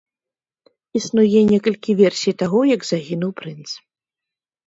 Існуе некалькі версій таго, як загінуў прынц.